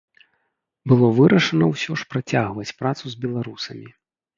Было вырашана ўсё ж працягваць працу з беларусамі.